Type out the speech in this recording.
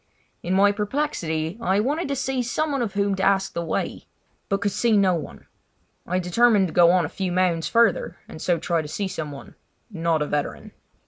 In my perplexity I wanted to see someone of whom to ask the way, but could see no one. I determined to go on a few mounds further and so try to see someone—not a veteran.